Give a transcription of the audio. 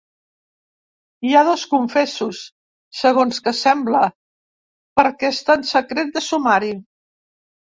Hi ha dos confessos… segons que sembla, perquè està en secret de sumari.